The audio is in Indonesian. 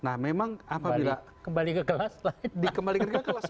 kembali ke kelas